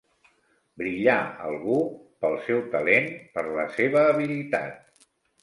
Brillar algú, pel seu talent, per la seva habilitat.